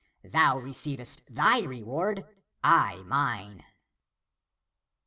Thou receivest thy reward, I mine."